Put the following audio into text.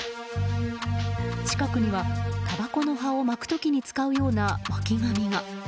近くにはタバコの葉を巻く時に使うような巻紙が。